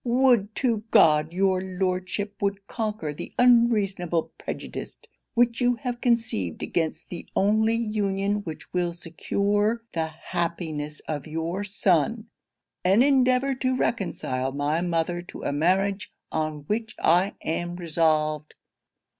Would to God your Lordship would conquer the unreasonable prejudice which you have conceived against the only union which will secure the happiness of your son, and endeavour to reconcile my mother to a marriage on which I am resolved.'